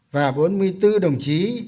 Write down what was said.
và bốn mươi bốn đồng chí